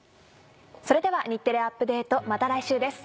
それでは『日テレアップＤａｔｅ！』また来週です。